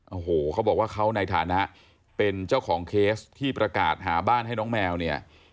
โอ้โหเขาบอกว่าเขาในฐานะเป็นเจ้าของเคสที่ประกาศหาบ้านให้น้องแมวเนี่ย